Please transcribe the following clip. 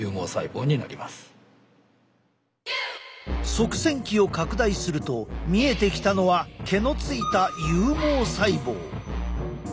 側線器を拡大すると見えてきたのは毛のついた有毛細胞。